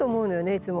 いつも。